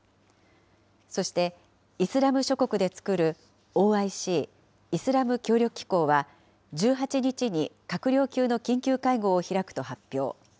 そして、イスラム諸国で作るＯＩＣ・イスラム協力機構は、１８日に閣僚級の緊急会合を開くと発表。